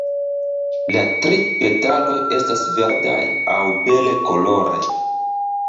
La tri petaloj estas verdaj aŭ bele koloraj.